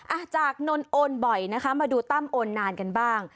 อ่ะจากนนโอนบ่อยนะคะมาดูตั้มโอนนานกันบ้าง